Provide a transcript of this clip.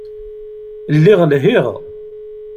Lliɣ lhiɣ.